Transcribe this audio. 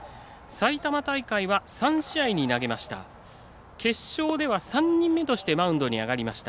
埼玉大会は３試合投げました。